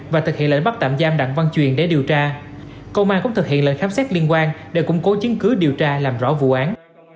và thực hiện lệnh bắt tạm giam đặng văn truyền để điều tra công an cũng thực hiện lệnh khám xét liên quan để củng cố chứng cứ điều tra làm rõ vụ án